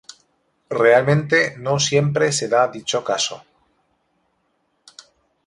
Realmente, no siempre se da dicho caso.